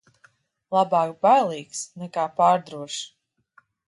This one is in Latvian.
Labāk bailīgs nekā pārdrošs.